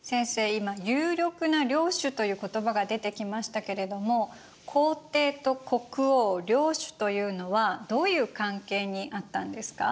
今「有力な領主」という言葉が出てきましたけれども皇帝と国王領主というのはどういう関係にあったんですか？